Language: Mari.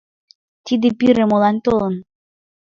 Тиде пире молан толын?